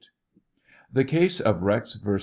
The case of Rex vs.